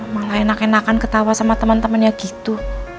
malah enak enakan ketawa sama temen temennya gitu